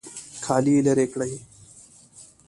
کالي لرې کړئ